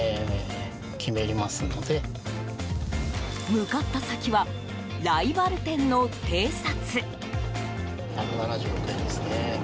向かった先はライバル店の偵察。